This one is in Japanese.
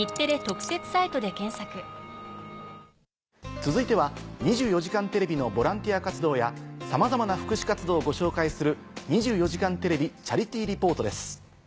続いては『２４時間テレビ』のボランティア活動やさまざまな福祉活動をご紹介する。